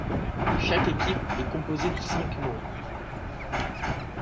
Chaque équipe est composée de cinq membres.